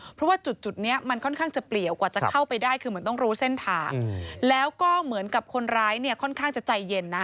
เพราะว่าจุดจุดเนี้ยมันค่อนข้างจะเปลี่ยวกว่าจะเข้าไปได้คือเหมือนต้องรู้เส้นทางแล้วก็เหมือนกับคนร้ายเนี่ยค่อนข้างจะใจเย็นนะ